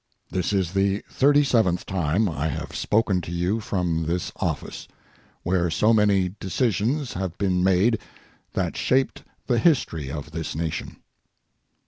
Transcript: This is the 37th time I have spoken to you from this office, where so many decisions have been made that shaped the history of this Nation.